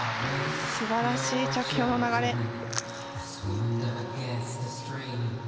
すばらしい着氷の流れ。